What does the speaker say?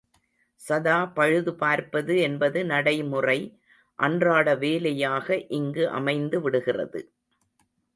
சதா பழுது பார்ப்பது என்பது நடைமுறை அன்றாட வேலையாக இங்கு அமைந்து விடுகிறது.